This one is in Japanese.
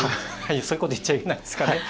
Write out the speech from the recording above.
そういうことを言っちゃいけないんですかね。